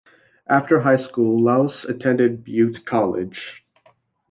After high school, Lohse attended Butte College.